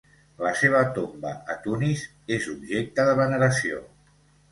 La seva tomba a Tunis és objecte de veneració.